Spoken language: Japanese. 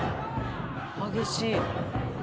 激しい。